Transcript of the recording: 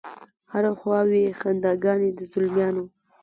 هره خوا وي خنداګانې د زلمیانو